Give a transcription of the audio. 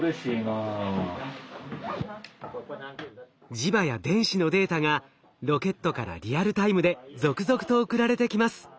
磁場や電子のデータがロケットからリアルタイムで続々と送られてきます。